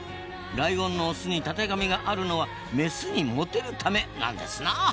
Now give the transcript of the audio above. ライオンのオスにたてがみがあるのは「メスにモテるため」なんですな！